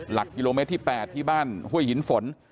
หลักกิโลเมตรที่๘ที่บ้านห้วยหินฝน